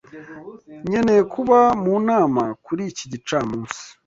Nkeneye kuba mu nama kuri iki gicamunsi.